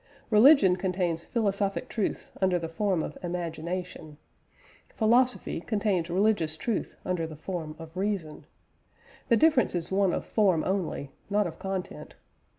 Religion contains philosophic truths under the form of imagination: philosophy contains religious truth under the form of reason. The difference is one of form only, not of content.